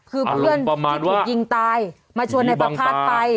คือเพื่อนถูกยิงตายมาชวนนายประภาษณ์ไป